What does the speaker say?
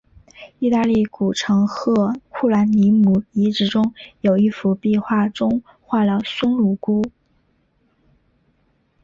意大利古城赫库兰尼姆遗址中有一幅壁画中画了松乳菇。